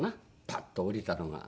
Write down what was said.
パッと下りたのが。